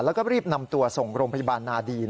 แล้วก็รีบนำตัวส่งโรงพยาบาลนาดี